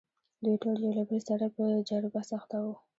دوی ټول یو له بل سره په جر و بحث اخته وو.